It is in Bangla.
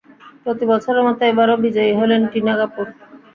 প্রতি বছরের মতো এবারও বিজয়ী হলেন টিনা কাপুর।